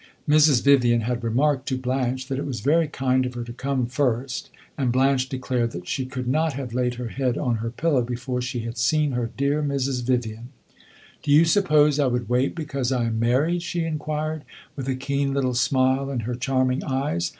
Mrs. Vivian had remarked to Blanche that it was very kind of her to come first, and Blanche declared that she could not have laid her head on her pillow before she had seen her dear Mrs. Vivian. "Do you suppose I would wait because I am married?" she inquired, with a keen little smile in her charming eyes.